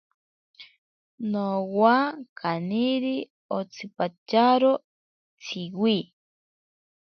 Nowa kaniri otsipatyaro tsiwi.